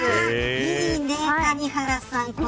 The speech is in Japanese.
いいね、谷原さん。